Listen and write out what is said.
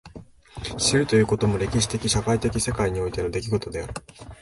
知るということも歴史的社会的世界においての出来事である。